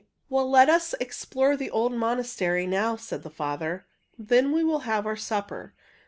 "Well, let us explore the old monastery now," said their father. "Then we will have our supper.